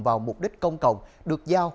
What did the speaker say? vào mục đích công cộng được giao